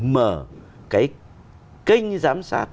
mở cái kênh giám sát